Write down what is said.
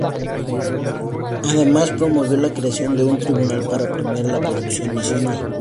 Además, promovió la creación de un tribunal para premiar la producción nacional.